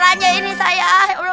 ada asal alam